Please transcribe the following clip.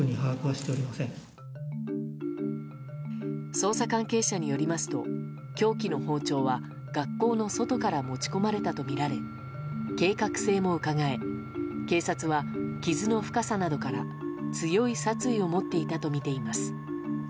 捜査関係者によりますと凶器の包丁は学校の外から持ち込まれたとみられ計画性もうかがえ警察は傷の深さなどから強い殺意を持っていたとみています。